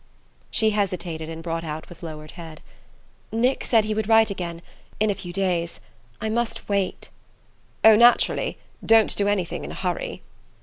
She hesitated, and brought out with lowered head: "Nick said he would write again in a few days. I must wait " "Oh, naturally. Don't do anything in a hurry."